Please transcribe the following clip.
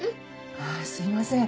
あっすいません。